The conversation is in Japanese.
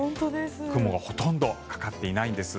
雲がほとんどかかっていないんです。